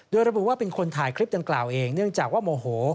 โดยระบุว่าเป็นคนถ่ายคลิปดังกล่าวเองเนื่องจากว่าโมโห